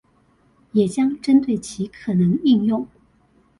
也將針對其可能應用